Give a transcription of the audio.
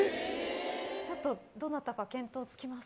ちょっとどなたか検討つきます？